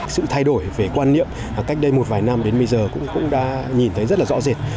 sự thay đổi về quan niệm cách đây một vài năm đến bây giờ cũng đã nhìn thấy rất là rõ rệt